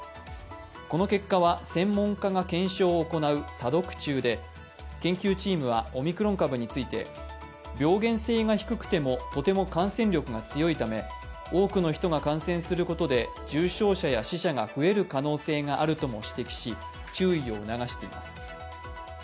この結果は専門家が検証を行う査読中で、研究チームはオミクロン株について、病原性が低くてもとても感染力が強いため、多くの人が感染することで重症者や死者が増える可能性があるとも指摘し、注意を促しています。